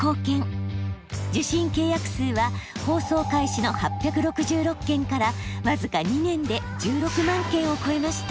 受信契約数は放送開始の８６６件から僅か２年で１６万件を超えました。